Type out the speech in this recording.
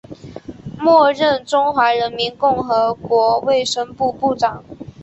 末任中华人民共和国卫生部部长。